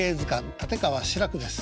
立川志らくです。